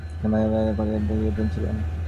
মাদানি বিলাতি পণ্য ব্যবহারের ঘাের বিরােধী ছিলেন।